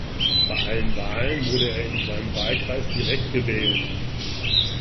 Bei allen Wahlen wurde er in seinem Wahlkreis direkt gewählt.